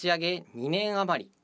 ２年余り。